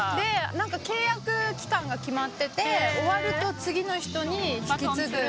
契約期間が決まってて終わると次の人に引き継ぐみたいな。